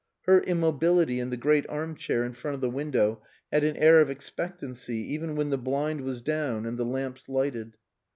Her immobility in the great arm chair in front of the window had an air of expectancy, even when the blind was down and the lamps lighted.